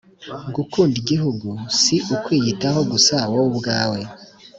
Gukunda igihugu si ukwiyitaho gusa wowe ubwawe